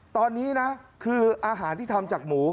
ตอนนี้นะคืออาหารที่ทำจากหมู